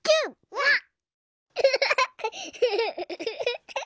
わっ！